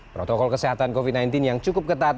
protokol kesehatan covid sembilan belas yang cukup ketat